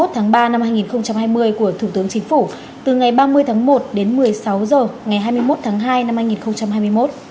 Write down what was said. hai mươi tháng ba năm hai nghìn hai mươi của thủ tướng chính phủ từ ngày ba mươi tháng một đến một mươi sáu h ngày hai mươi một tháng hai năm hai nghìn hai mươi một